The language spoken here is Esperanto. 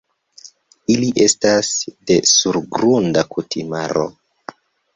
Ili estas de surgrunda kutimaro.